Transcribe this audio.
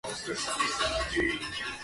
მაგნოლია კულტურაში ფართოდ არის დანერგილი.